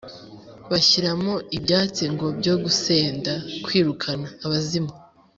bashyizemo ibyatsi ngo byo gusenda (kwirukana) abazimu.